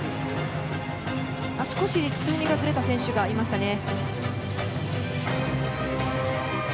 少しタイミングがずれた選手がいましたね。